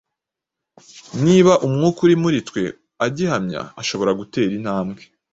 Niba umwuka uri muri twe agihamya, dushobora gutera intambwe